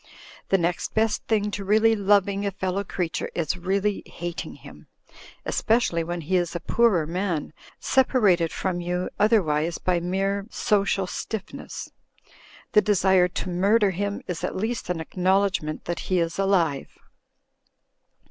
The next best thing to really loving a fellow creature is really hating him: especially when he is a poorer man separated from you otherwise by mere social stiffness. The desire to murder him is at least an acknowledg ment that he is alive.